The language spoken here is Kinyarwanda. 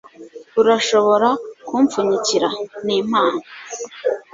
Urashobora kumpfunyikira? Ni impano.